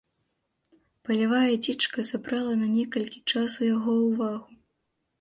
Палявая дзічка забрала на некалькі часу яго ўвагу.